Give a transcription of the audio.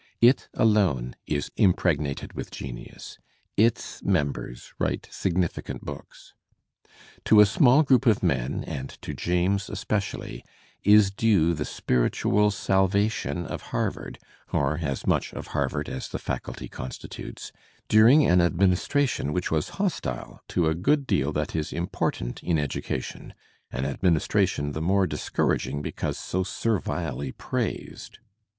It alone is impregnated with genius; its members write significant books. To a small group of men, and to James especially, is due the spiritual salvation of Harvard (or as much of Harvard as the faculty constitutes) during an administration which was hostile to a good deal that is important in education, an administration the more discouraging because so servilely praised.